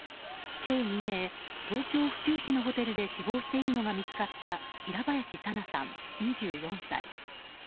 今日未明、東京・府中市のホテルで死亡しているのが見つかった平林さなさん、２４歳。